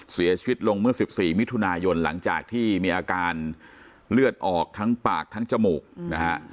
เสียชีวิตลงเมื่อ๑๔มิถุนายนหลังจากที่มีอาการเลือดออกทั้งปากทั้งจมูกนะฮะ